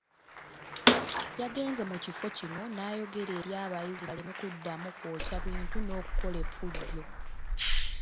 Yagenze mu kifo kino n’ayogera eri abayizi baleme kuddamu kwokya bintu n’okukola effujjo.